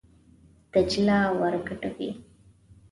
دجله ور ګډوي.